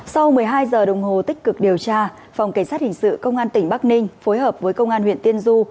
sau một mươi hai giờ đồng hồ tích cực điều tra phòng cảnh sát hình sự công an tỉnh bắc ninh phối hợp với công an huyện tiên du